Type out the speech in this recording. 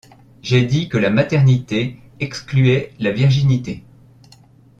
J’ai dit que la maternité excluait la virginité.